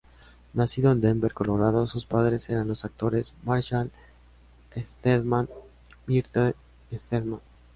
Nacido en Denver, Colorado, sus padres eran los actores Marshall Stedman y Myrtle Stedman.